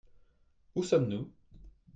Où sommes-nous ?